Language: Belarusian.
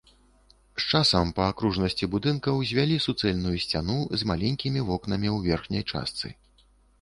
З часам па акружнасці будынка ўзвялі суцэльную сцяну з маленькімі вокнамі ў верхняй частцы.